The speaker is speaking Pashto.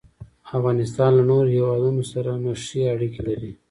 افغانستان له نورو هېوادونو سره ښې اړیکې لري.